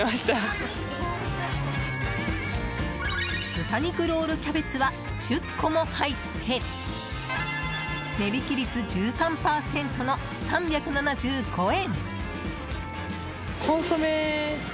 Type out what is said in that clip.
豚肉ロールキャベツは１０個も入って値引き率１３％の３７５円。